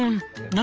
何？